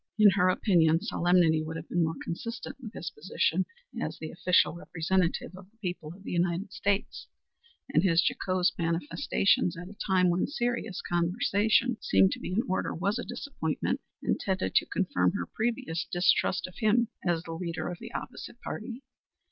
In her opinion solemnity would have been more consistent with his position as the official representative of the people of the United States, and his jocose manifestations at a time when serious conversation seemed to be in order was a disappointment, and tended to confirm her previous distrust of him as the leader of the opposite party.